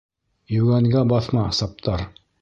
Йүгәнгә баҫма, Саптар!